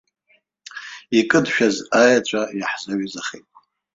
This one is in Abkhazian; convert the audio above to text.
Икыдшәаз аеҵәа иаҳзаҩызахеит!